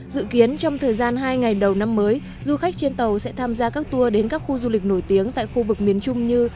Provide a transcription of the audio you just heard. dự kiến trong thời gian hai ngày đầu năm mới du khách trên tàu sẽ tham gia các tour đến các khu du lịch nổi tiếng tại khu vực miền trung như